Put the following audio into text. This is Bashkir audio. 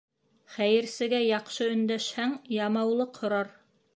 Хәйерсегә яҡшы өндәшһәң, ямаулыҡ һорар